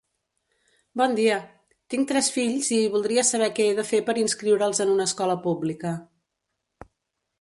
Bon dia, tinc tres fills i voldria saber què he de fer per inscriure'ls en una escola pública.